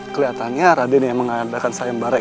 keliatannya raden yang mengadakan serangan